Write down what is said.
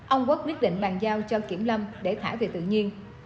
ông quốc quyết định bàn giao cho kiểm lâm để thả về tự nhiên